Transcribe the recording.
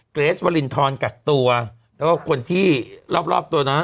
เกรสวรินทรกักตัวแล้วก็คนที่รอบตัวนะ